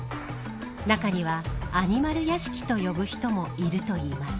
中にはアニマル屋敷と呼ぶ人もいるといいます。